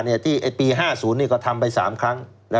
อย่างที่ปีภาษี๕๐นี้ก็ทำไป๓ครั้ง